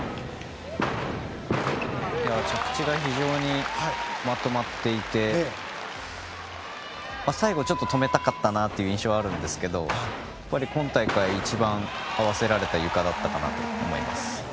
着地が非常にまとまっていて最後、ちょっと止めたかったなという印象はあるんですがやっぱり今大会一番合わせられたゆかだったかなと思います。